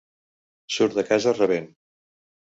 Surt de casa rabent.